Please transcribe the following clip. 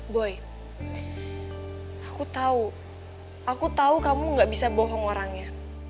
boy aku tahu aku tahu kamu gak bisa bohong orangnya